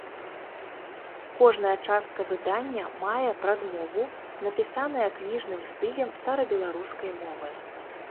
Кожная частка выдання мае прадмову, напісаная кніжным стылем старабеларускай мовы.